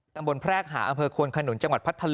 แพรกหาอำเภอควนขนุนจังหวัดพัทธลุง